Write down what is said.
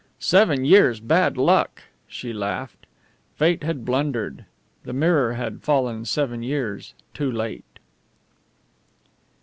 Seven years' bad luck! She laughed. Fate had blundered. The mirror had fallen seven years too late.